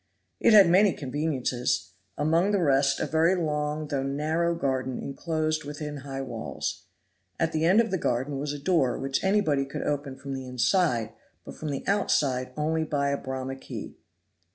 It had many conveniences; among the rest a very long though narrow garden inclosed within high walls. At the end of the garden was a door which anybody could open from the inside, but from the outside only by a Bramah key.